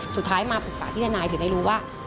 สุดท้ายมาปรึกษาที่ทนายถึงได้รู้ว่า